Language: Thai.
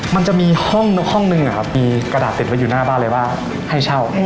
มันจะมีห้องหนึ่งมีกระดาษติดไว้อยู่หน้าบ้านเลยว่าให้เช่า